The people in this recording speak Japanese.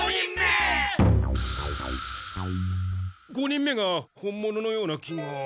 ５人目が本物のような気が。